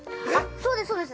◆そうです、そうです。